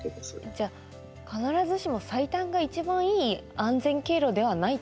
じゃあ必ずしも最短が一番いい安全経路ではないってことなんですね。